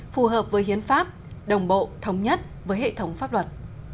phù hợp với hiến pháp đồng bộ thống nhất với hệ thống pháp luật